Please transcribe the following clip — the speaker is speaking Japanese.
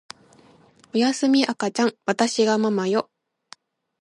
おやすみ赤ちゃんわたしがママよ